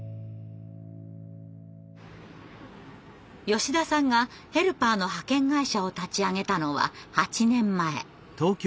吉田さんがヘルパーの派遣会社を立ち上げたのは８年前。